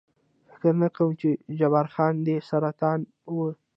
فکر نه کوم، چې جبار خان دې سرطان و.